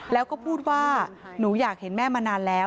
แล้วก็พูดว่าหนูอยากเห็นแม่มานานแล้ว